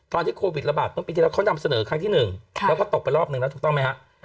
โควิดระบาดเมื่อปีที่แล้วเขานำเสนอครั้งที่๑แล้วก็ตกไปรอบหนึ่งแล้วถูกต้องไหมฮะ